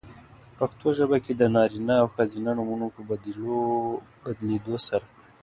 پښتو ژبه کې د نارینه او ښځینه نومونو په بدلېدو سره؛